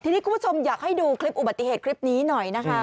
ทีนี้คุณผู้ชมอยากให้ดูคลิปอุบัติเหตุคลิปนี้หน่อยนะคะ